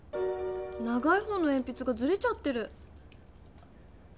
長い方のえんぴつがずれちゃってる！